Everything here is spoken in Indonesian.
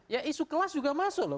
ya isu kelas juga masuk loh